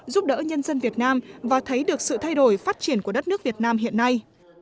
giúp đỡ nhân dân việt nam và thấy được sự thay đổi phát triển của đất nước việt nam hiện nay